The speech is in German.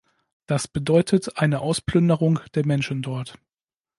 Das bedeutet eine Ausplünderung der Menschen dort.